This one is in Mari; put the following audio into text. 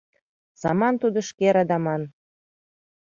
Саман тудо шке радаман...